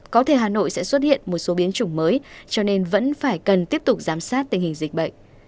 có thể hà nội sẽ xuất hiện một số biến chủng mới cho nên vẫn phải cần tiếp tục giám sát tình hình dịch bệnh